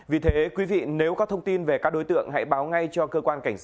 vì thế quý vị nếu có thông tin về các đối tượng hãy báo ngay cho cơ quan công an tp hà nội